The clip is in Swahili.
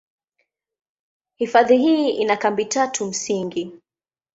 Hifadhi hii ina kambi tatu msingi.